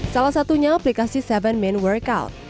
salah satunya aplikasi tujuh man workout